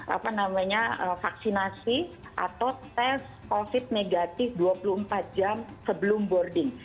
apa namanya vaksinasi atau tes covid negatif dua puluh empat jam sebelum boarding